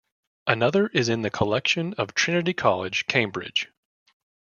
Another is in the collection of Trinity College, Cambridge.